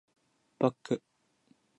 バック